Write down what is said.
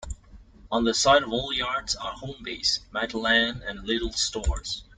On the site of the old yards are Homebase, Matalan and Lidl stores.